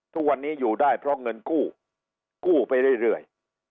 ทุกวันนี้อยู่ได้เพราะเงินกู้กู้ไปเรื่อย